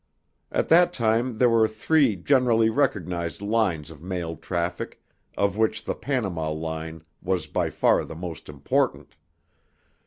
At that time there were three generally recognized lines of mail traffic, of which the Panama line was by far the most important.